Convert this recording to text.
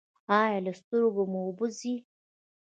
ایا له سترګو مو اوبه ځي؟